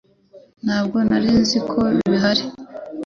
Ntabwo nari nzi ko bihari